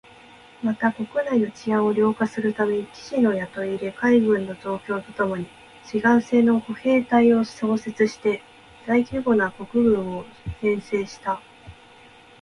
また、国内の治安を良化するため、騎士の雇い入れ、海軍の増強とともに志願制の歩兵隊を創設して大規模な国軍を編成した